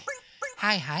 はいはい？